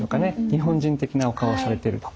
日本人的なお顔をされていると。